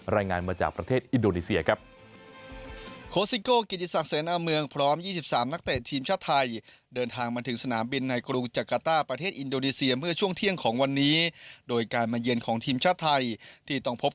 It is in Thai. รายงานมาจากประเทศอินโดนีเซียครับ